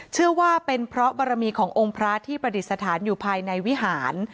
เชื่อว่าเป็นเพราะบารมีขององค์พระที่ประดิษฐานอยู่ภายในวิหาร